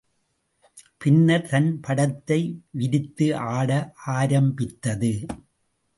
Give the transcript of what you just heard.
பின்னர் தன் படத்தை விரித்து ஆட ஆரம்பித்தது.